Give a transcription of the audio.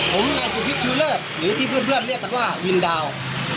ผมนายสุพิษชูเลิศหรือที่เพื่อนเรียกกันว่าวินดาว